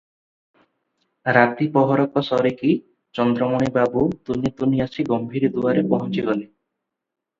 ରାତି ପହରକ ସରିକି ଚନ୍ଦ୍ରମଣି ବାବୁ ତୁନି ତୁନି ଆସି ଗମ୍ଭୀରି ଦୁଆରେ ପହଞ୍ଚି ଗଲେ ।